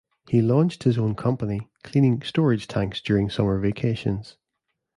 He launched his own company cleaning storage tanks during summer vacations.